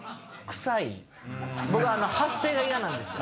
僕あの発声が嫌なんですよ